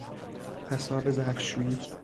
پساب ظرفشوئی